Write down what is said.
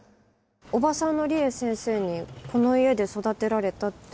叔母さんのりえ先生にこの家で育てられたって。